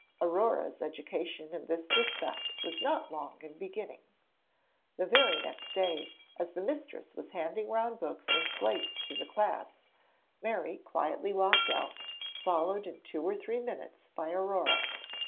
Aurore's education in this respect was not long in beginning. The very next day as the mistress was handing round books and slates to the class, Mary quietly walked out, followed in two or three minutes by Aurore.